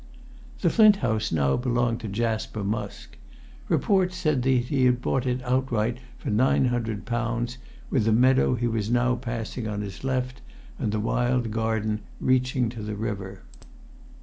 The Flint House now belonged to Jasper Musk. Report said that he had bought it outright for nine hundred pounds, with the meadow he was now passing on his left, and the wild garden reaching to the river.